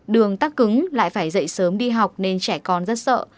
đường tắc cứng lại phải dậy sớm đi học nên trẻ con rất sợ